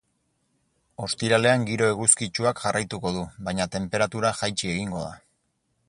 Ostiralean giro eguzkitsuak jarraituko du, baina tenperatura jaitsi egingo da.